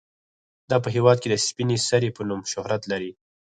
دا په هیواد کې د سپینې سرې په نوم شهرت لري.